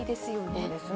そうですね。